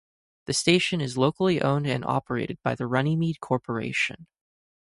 The station is locally owned and operated by the Runnymede Corporation.